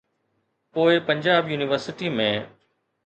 پوءِ پنجاب يونيورسٽي ۾.